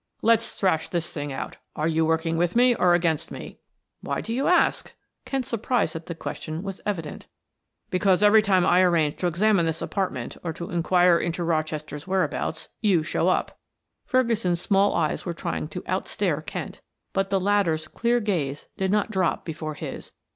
"Let's thrash this thing out; are you working with me or against me?" "Why do you ask?" Kent's surprise at the question was evident. "Because every time I arrange to examine this apartment or inquire into Rochester's whereabouts you show up." Ferguson's small eyes were trying to out stare Kent, but the latter's clear gaze did not drop before his.